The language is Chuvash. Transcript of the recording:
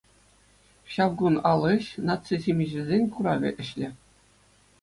Ҫав кун алӗҫ, наци ҫимӗҫӗсен куравӗ ӗҫлӗ.